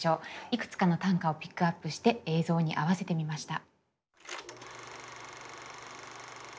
いくつかの短歌をピックアップして映像に合わせてみました。